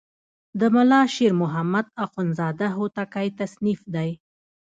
د ملا شیر محمد اخوندزاده هوتکی تصنیف دی.